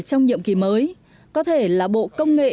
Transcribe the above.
trong nhiệm kỳ mới có thể là bộ công nghệ